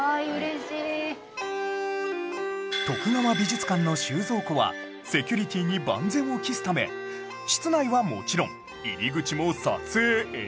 徳川美術館の収蔵庫はセキュリティに万全を期すため室内はもちろん入り口も撮影 ＮＧ